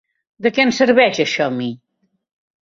De què em serveix això ami?